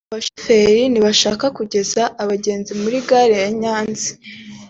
Bamwe mu bashoferi ntibashaka kugeza abagenzi muri gare ya Nyanza